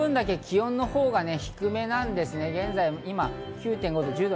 その分だけ気温のほうが低めなんですね。